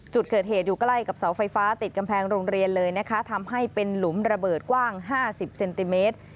จุดเกิดเหตุอยู่ใกล้กับเสาไฟฟ้าติดกำแพงโรงเรียนเลยนะคะทำให้เป็นหลุมระเบิดกว้าง๕๐เซนติเมตร